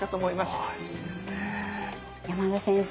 山田先生